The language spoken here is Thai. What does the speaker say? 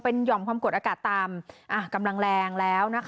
เป็นหย่อมความกดอากาศตามกำลังแรงแล้ว